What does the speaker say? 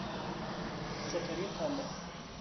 ستارهی طالع